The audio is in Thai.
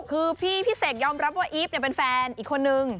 คือพี่เสกยอมรับว่าอีฟเป็นแฟนอีกคนนึง